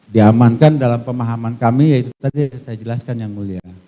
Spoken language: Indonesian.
diamankan dalam pemahaman kami ya itu tadi saya jelaskan yang mulia